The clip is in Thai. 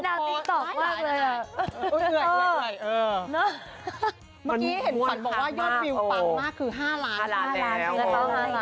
แล้วเขา๕ล้านแล้วค่ะ